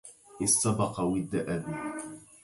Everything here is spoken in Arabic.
استبق ود أبي